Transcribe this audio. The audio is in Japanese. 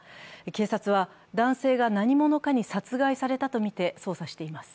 警察は男性が何者かに殺害されたとみて捜査しています。